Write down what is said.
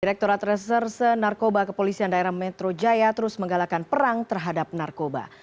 direkturat reserse narkoba kepolisian daerah metro jaya terus menggalakan perang terhadap narkoba